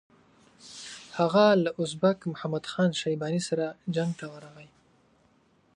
هغه له ازبک محمد خان شیباني سره جنګ ته ورغی.